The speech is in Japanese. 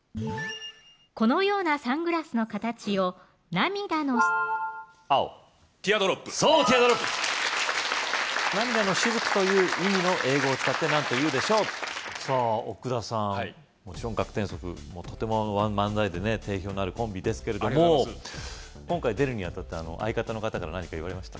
このようなサングラスの形を「涙の」青ティアドロップそうティアドロップ「涙のしずく」という意味の英語を使って何というでしょうさぁ奥田さんもちろん学天即とても漫才でね定評のあるコンビですけれども今回出るにあたって相方の方から何か言われました？